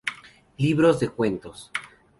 Libros de cuentos